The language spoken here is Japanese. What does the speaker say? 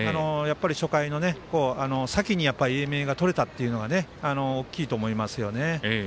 初回を先に英明が取れたというのは大きいと思いますよね。